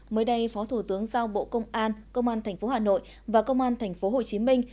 mới đây phó thủ tướng giao bộ công an công an tp hà nội và công an tp hồ chí minh